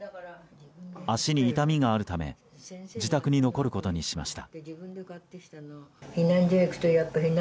足に痛みがあるため自宅に残ることにしました。